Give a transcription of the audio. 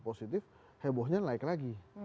positif hebohnya naik lagi